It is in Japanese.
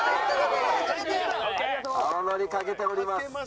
青のりかけております。